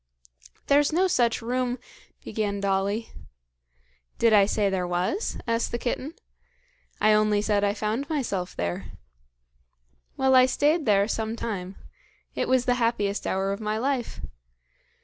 "There's no such room " began Dolly. "Did I say there was?" asked the kitten. "I only said I found myself there. Well, I stayed there some time. It was the happiest hour of my life.